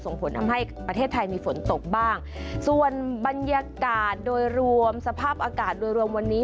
ส่งผลทำให้ประเทศไทยมีฝนตกบ้างส่วนบรรยากาศโดยรวมสภาพอากาศโดยรวมวันนี้